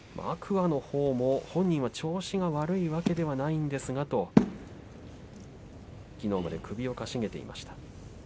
天空海のほうは調子が悪いわけではないんですがときのうまで首をかしげていました。